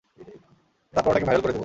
তারপর ওটাকে ভাইরাল করে দেবো।